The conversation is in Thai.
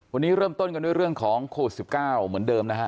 วันนี้เริ่มต้นกันด้วยเรื่องของโควิด๑๙เหมือนเดิมนะฮะ